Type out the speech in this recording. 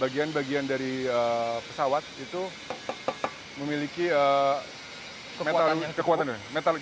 bagian bagian dari pesawat itu memiliki kekuatan